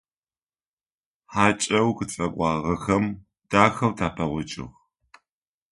ХьакӀэу къытфэкӀуагъэхэм дахэу тапэгъокӀыгъ.